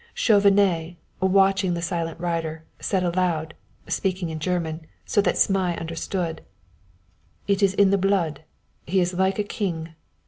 Chauvenet, watching the silent rider, said aloud, speaking in German, so that Zmai understood: "It is in the blood; he is like a king."